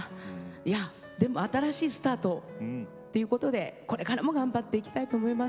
いやでも新しいスタートっていうことでこれからも頑張っていきたいと思います。